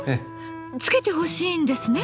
つけてほしいんですね？